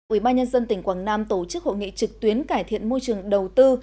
ủy ban nhân dân tỉnh quảng nam tổ chức hội nghị trực tuyến cải thiện môi trường đầu tư